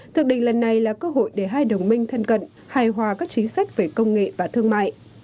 thượng đỉnh lần này là cơ hội để hai đồng minh thân cận hài hòa các chính sách về công nghệ và thương mại